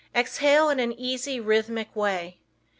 Exhale in an easy, rhythmic way.